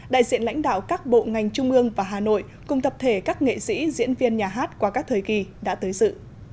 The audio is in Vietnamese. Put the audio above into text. đại diện lãnh đạo các bộ ngành trung ương và hà nội cùng tập thể các nghệ sĩ diễn viên nhà hát qua các thời kỳ đã tới dự